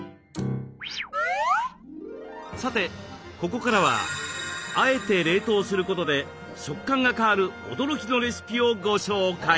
さてここからは「あえて冷凍」することで食感が変わる驚きのレシピをご紹介。